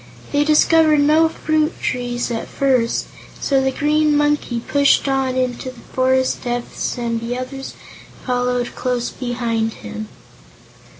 They discovered no fruit trees, at first, so the Green Monkey pushed on into the forest depths and the others followed close behind him.